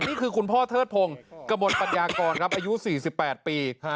นี่คือคุณพ่อเทิดพงกระบวนปัญญากรอายุ๔๘ปี